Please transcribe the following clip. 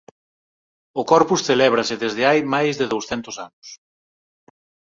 O Corpus celébrase desde hai máis de douscentos anos.